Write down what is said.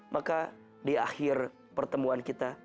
maka di akhir pertemuan kita